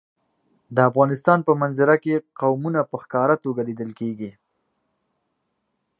د افغانستان په منظره کې قومونه په ښکاره توګه لیدل کېږي.